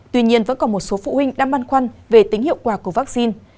tuy nhiên vẫn còn một số phụ huynh đang băn khoăn về tính hiệu quả của vaccine